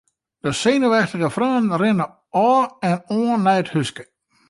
De senuweftige freonen rinne ôf en oan nei it húske.